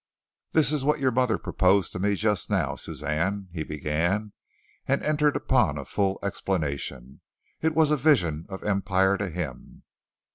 "This is what your mother proposed to me just now, Suzanne," he began, and entered upon a full explanation. It was a vision of empire to him.